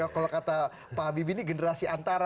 kalau kata pak habibie ini generasi antara